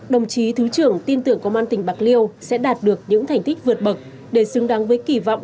đồng chí thứ trưởng tin tưởng công an tỉnh bạc liêu sẽ đạt được những thành tích vượt bậc để xứng đáng với kỳ vọng